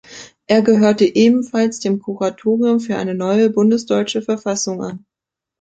Er gehörte ebenfalls dem Kuratorium für eine neue bundesdeutsche Verfassung an.